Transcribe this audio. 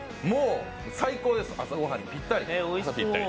もう最高です、朝御飯にぴったり。